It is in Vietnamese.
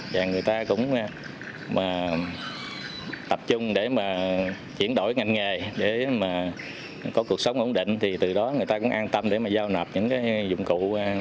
và người ta cũng tập trung để mà chuyển đổi ngành nghề để mà có cuộc sống ổn định thì từ đó người ta cũng an tâm để mà giao nập những cái dụng cụ